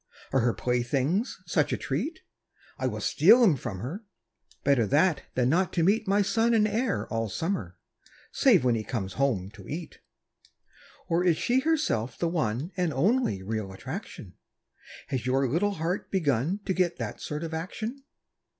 Are her playthings such a treat? I will steal 'em from her; Better that than not to meet My son and heir all summer, Save when he comes home to eat. Or is she herself the one And only real attraction? Has your little heart begun To get that sort of action?